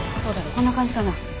こんな感じかな？